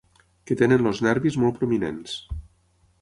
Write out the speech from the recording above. Que tenen els nervis molt prominents.